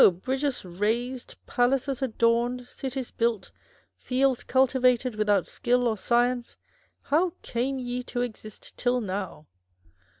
bridges raised, palaces adorned, cities built, fields cultivated without skill or science, how came ye to exist till now